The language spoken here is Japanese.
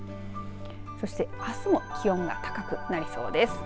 そして、あすも気温が高くなりそうです。